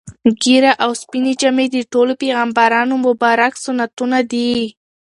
ږیره او سپینې جامې د ټولو پیغمبرانو مبارک سنتونه دي.